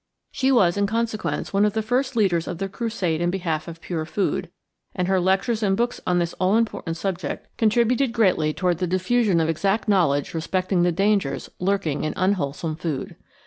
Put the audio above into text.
She was, in consequence, one of the first leaders of the crusade in behalf of pure food, and her lectures and books on this all important subject contributed greatly toward the diffusion of exact knowledge respecting the dangers lurking in unwholesome food.